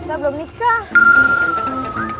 saya belum nikah